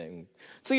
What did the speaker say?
つぎ！